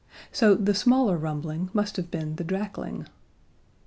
So the smaller rumbling must have been the drakling.